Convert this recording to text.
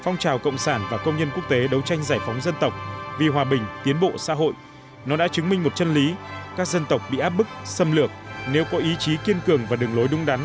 nó đã chứng minh một chân lý các dân tộc bị áp bức xâm lược nếu có ý chí kiên cường và đường lối đúng đắn